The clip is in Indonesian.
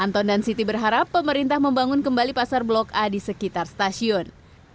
anton dan siti berharap pemerintah membangun kembali pasar blok a di sekitar stasiun